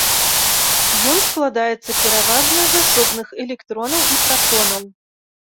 Ён складаецца пераважна з асобных электронаў і пратонаў.